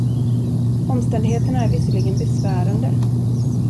Omständigheterna är visserligen besvärande.